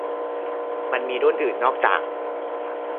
มันมีรุ่นอื่นนอกจาก